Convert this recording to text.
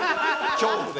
恐怖で？